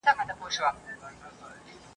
دا له کومه کوه قافه را روان یې !.